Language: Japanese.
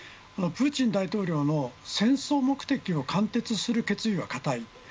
プーチン大統領の戦争目的を貫徹する決意は固い。